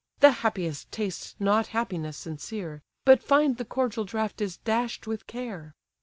The happiest taste not happiness sincere; But find the cordial draught is dash'd with care.